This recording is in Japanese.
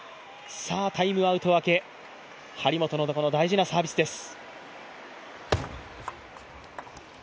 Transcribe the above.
タイムアウト明け、張本の大事なサービスです。